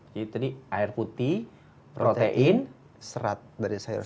jadi tadi air putih protein serat dari sayur sayuran